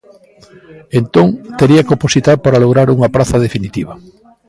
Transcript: Entón, tería que opositar para lograr unha praza definitiva.